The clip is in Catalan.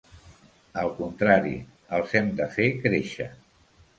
Al contrari, els hem de fer créixer.